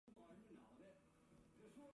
等你等了几十年